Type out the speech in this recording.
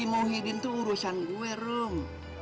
si muhyiddin tuh urusan gue rom